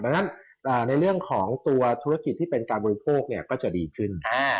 ดังนั้นในเรื่องของตัวธุรกิจที่เป็นการบริโภคก็จะดีขึ้น